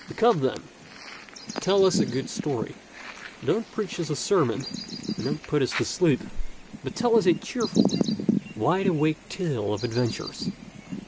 Come, then, tell us a good story. Don't preach us a sermon, and don't put us to sleep, but tell us a cheerful, wide awake tale of adventures.